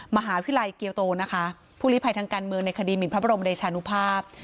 มหาวิทยาลัยเกียวโตนะคะผู้ลิภัยทางการเมืองในคดีหมินพระบรมเดชานุภาพ